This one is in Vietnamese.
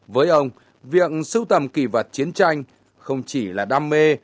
với ông việc sưu tầm kỳ vật chiến tranh không chỉ là đam mê